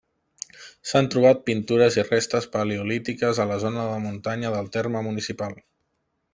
S'han trobat pintures i restes paleolítiques a la zona de muntanya del terme municipal.